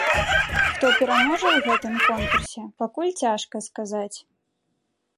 Хто пераможа ў гэтым конкурсе, пакуль цяжка сказаць.